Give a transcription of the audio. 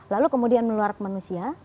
lalu kemudian meluar ke manusia